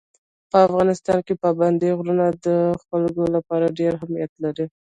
په افغانستان کې پابندي غرونه د خلکو لپاره ډېر اهمیت لري.